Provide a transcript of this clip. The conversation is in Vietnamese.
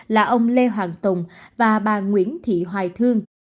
là ông lê hoàng tùng và bà nguyễn thị hoài thương